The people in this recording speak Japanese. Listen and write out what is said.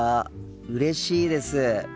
うれしいです！